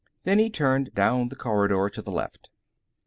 Then he turned down the corridor to the left.